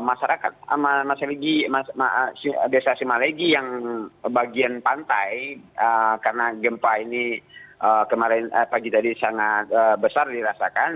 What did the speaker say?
masyarakat desa simalegi yang bagian pantai karena gempa ini kemarin pagi tadi sangat besar dirasakan